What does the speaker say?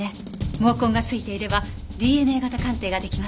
毛根が付いていればＤＮＡ型鑑定が出来ます。